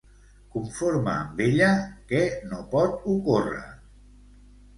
Conforme amb ella, què no pot ocórrer?